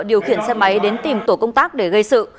điều khiển xe máy đến tìm tổ công tác để gây sự